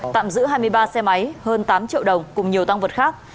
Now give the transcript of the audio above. tạm giữ hai mươi ba xe máy hơn tám triệu đồng cùng nhiều tăng vật khác